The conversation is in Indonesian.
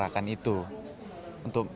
aku bisa menyuarakan itu